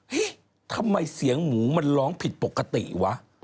ทำไมเสียงหมูมันร้องผิดปกติวะ